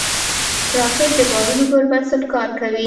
راکټ د بارودو پر بنسټ کار کوي